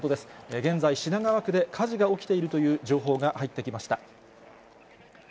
現在、品川区で火事が起きているという情報が入ってきました。